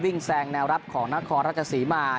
วิ่งแซงแนวรับของนาคอรัชษีมา